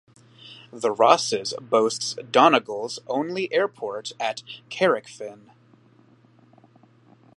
The Rosses boasts Donegal's only airport at Carrickfinn.